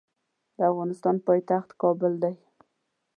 د افغانستان پایتخت کابل دی.